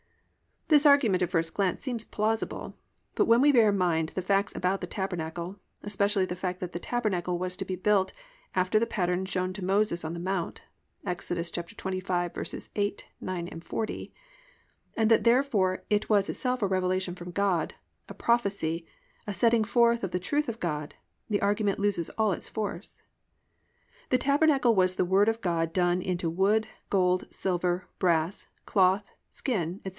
This argument at first glance seems plausible, but when we bear in mind the facts about the tabernacle, especially the fact that the tabernacle was to be built after the pattern shown to Moses in the mount (Ex. 25:8, 9, 40) and that therefore it was itself a revelation from God, a prophecy, a setting forth of the truth of God, the argument loses all its force. The tabernacle was the Word of God done into wood, gold, silver, brass, cloth, skin, etc.